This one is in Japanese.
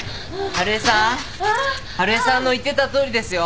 春江さんの言ってたとおりですよ。